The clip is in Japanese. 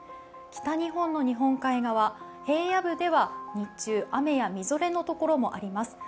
北日本の日本海側、平野部では日中でも雨やみぞれのところもあります。